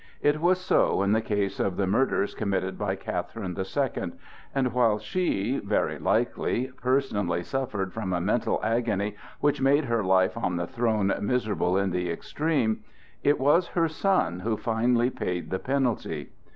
It was so in the case of the murders committed by Catherine the Second; and while she, very likely, personally suffered from a mental agony which made her life on the throne miserable in the extreme, it was her son who finally paid the penalty.